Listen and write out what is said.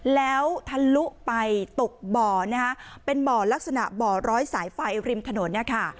แล้วทะลุไปตกบ่อนะคะเป็นบ่อลักษณะบ่อร้อยสายไฟริมถนนนะคะ